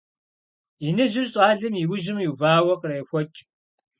Иныжьыр щӀалэм и ужьым иувауэ кърехуэкӀ.